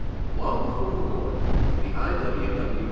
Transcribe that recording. Long before the war, the I. W. W.